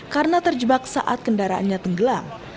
karena terjebak saat kendaraannya tenggelam